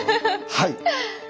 はい。